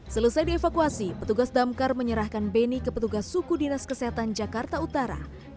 selesai dievakuasi petugas damkar menyerahkan beni ke petugas suku dinas kesehatan jakarta utara